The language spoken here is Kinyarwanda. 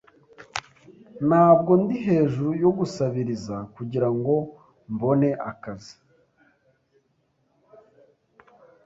Ntabwo ndi hejuru yo gusabiriza kugirango mbone akazi.